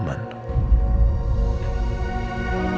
tidak ada yang bisa ngerti